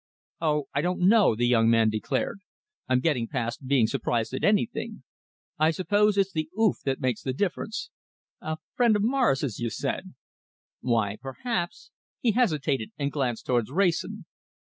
"Oh! I don't know," the young man declared. "I'm getting past being surprised at anything. I suppose it's the oof that makes the difference. A friend of Morris's, you said. Why, perhaps " He hesitated, and glanced towards Wrayson.